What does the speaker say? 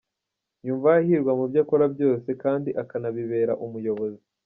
Yumva yahirwa mu byo akora byose kandi akanabibera umuyobozi.